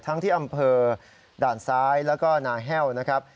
ที่อำเภอด่านซ้ายแล้วก็นาแห้วนะครับ